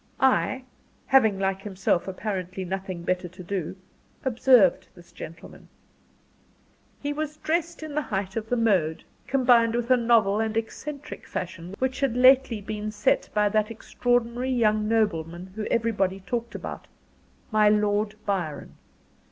I, having like himself apparently nothing better to do, observed this gentleman. He was dressed in the height of the mode, combined with a novel and eccentric fashion, which had been lately set by that extraordinary young nobleman whom everybody talked about my Lord Byron.